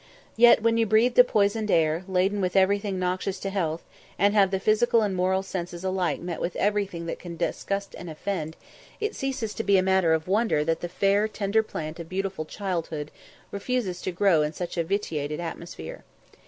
Yet, when you breathe the poisoned air, laden with everything noxious to health, and have the physical and moral senses alike met with everything that can disgust and offend, it ceases to be a matter of wonder that the fair tender plant of beautiful childhood refuses to grow in such a vitiated atmosphere.